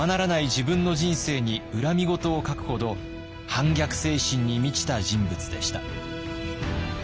自分の人生に恨み言を書くほど反逆精神に満ちた人物でした。